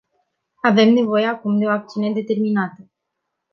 Avem nevoie acum de o acțiune determinată.